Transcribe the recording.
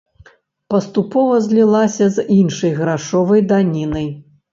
Паступова злілася з іншай грашовай данінай.